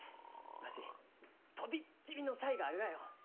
わし飛びっ切りの才があるがよ！